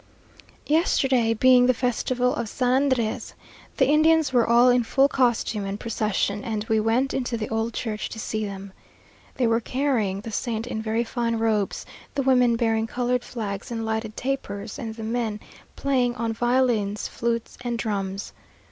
Yesterday, being the festival of San Andrés, the Indians were all in full costume and procession, and we went into the old church to see them. They were carrying the saint in very fine robes, the women bearing coloured flags and lighted tapers, and the men playing on violins, flutes, and drums.